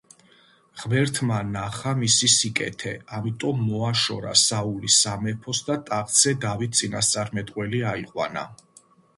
ღმერთმა ნახა მისი სიკეთე, ამიტომ მოაშორა საული სამეფოს და ტახტზე დავით წინასწარმეტყველი აიყვანა.